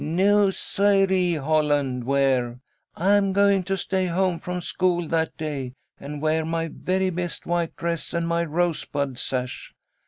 "No, sir ree, Holland Ware. I'm going to stay home from school that day, and wear my very best white dress and my rosebud sash.